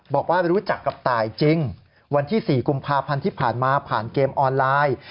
บอกว่ารู้จักกับตายจริงวันที่๔กุมภาพันธ์ที่ผ่านมาผ่านเกมออนไลน์